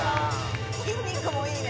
筋肉もいいね。